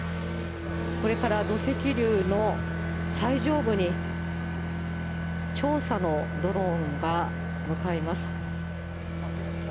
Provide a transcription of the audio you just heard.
これから土石流の最上部に調査のドローンが向かいます。